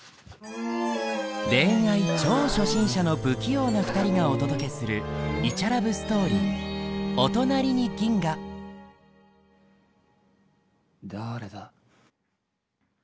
恋愛超初心者の不器用な２人がお届けするイチャラブストーリーだれだ？